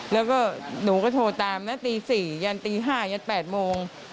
แล้วก็หนูก็โทรตามนะจนตี๔จนตี๕๘โมง